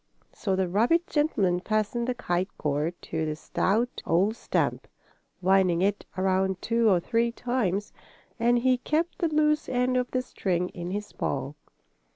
So the rabbit gentleman fastened the kite cord to the stout old stump, winding it around two or three times, and he kept the loose end of the string in his paw.